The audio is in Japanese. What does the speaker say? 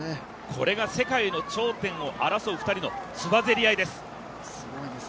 これが世界の頂点を争う２人のつばぜり合いです。